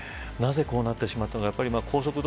なぜこうなってしまったのか。